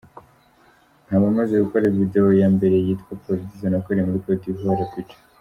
Nkaba maze gukora video ya mbere yitwa Paradizo nakoreye muri Cote d’Ivoire, Abidjan.